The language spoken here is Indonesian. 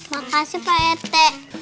makasih pak rt